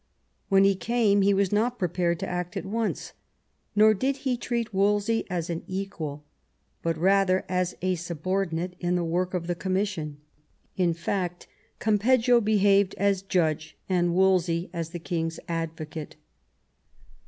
When he came he was not prepared to act at once, nor did he treat Wolsey as an equal but rather as a subordinate in the work of the commission. In fact, Campeggio behaved as judge, and Wolsey as the king's advocate.